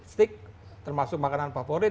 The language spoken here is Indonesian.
stick termasuk makanan favorit